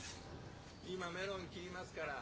今メロン切りますから。